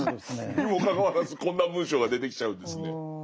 にもかかわらずこんな文章が出てきちゃうんですね。